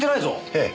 ええ。